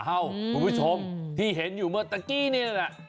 อ้าวคุณผู้ชมที่เห็นอยู่เมื่อเมื่อกี้นี่แหละ